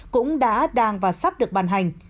cũng đã đang và sắp được bàn hành